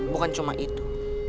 bukan cuma itu